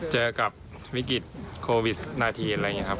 เจอกับวิกฤตโควิด๑๙อะไรอย่างนี้ครับ